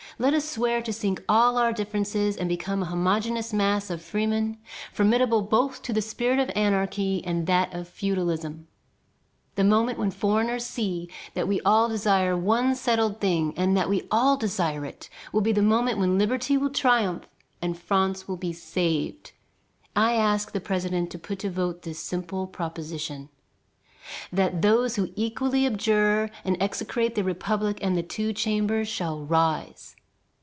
Let us swear to sink all our differences and become a homogeneous mass of freemen formidable both to the spirit of anarchy and that of feudalism. The moment when foreigners see that we desire one settled thing, and that we all desire it, will be the moment when liberty will triumph and France be saved. I ask the president to put to vote this simple proposition: That those who equally abjure and execrate the republic and the Two Chambers shall rise."